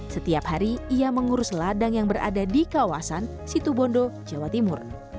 setiap hari ia mengurus ladang yang berada di kawasan situbondo jawa timur